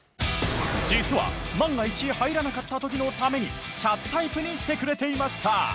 実は万が一入らなかった時のためにシャツタイプにしてくれていました。